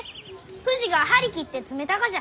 ふじが張り切って詰めたがじゃ。